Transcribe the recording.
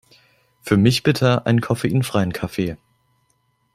Für mich bitte einen koffeinfreien Kaffee!